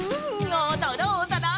おどろうおどろう！